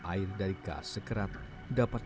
air dari kas sekerat dapat